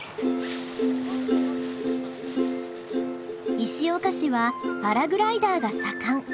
石岡市はパラグライダーが盛ん。